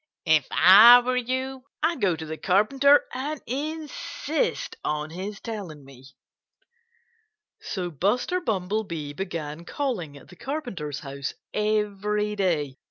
"If I were you I'd go to the Carpenter and insist on his telling me." So Buster Bumblebee began calling at the Carpenter's house every day.